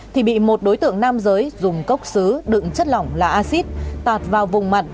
thì bị một đối tượng nam giới dùng cốc xứ đựng chất lỏng là acid tạt vào vùng mặn